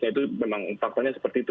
itu memang faktanya seperti itu